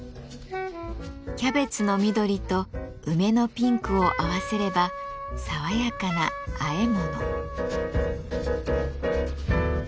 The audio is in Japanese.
キャベツの緑と梅のピンクを合わせれば爽やかなあえ物。